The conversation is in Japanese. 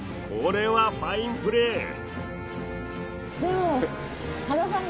これはファインプレー！